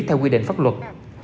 theo quy định pháp luật